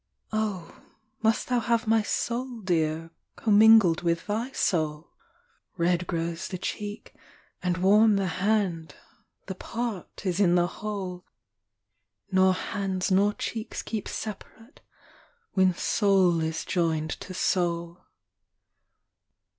m. Oh, must thou have my soul, Dear, commingled with thy soul ?— Eed grows the cheek, and warm the hand ; the part is in the whole : Nor hands nor cheeks keep separate, when soul is joined to soul.